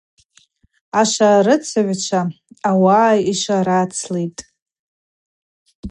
Ашварацыгӏвчва ауаъа йшварацлитӏ.